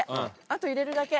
あと入れるだけ。